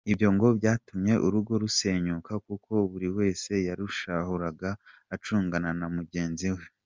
Ibyo ngo byatumye urugo rusenyuka kuko buri wese yarusahuraga acungana na mugenzi we.